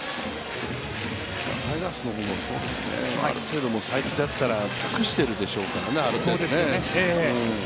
タイガースの方もある程度、才木だったら託しているでしょうからね。